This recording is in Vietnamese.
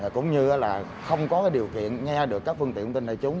cũng như là không có điều kiện nghe được các phương tiện thông tin đại chúng